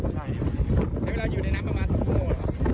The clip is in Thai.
ที่เวลาอยู่ในน้ำประมาณอะโห